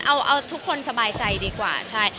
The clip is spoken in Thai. เอาทุกคนสบายใจดีกว่าใช่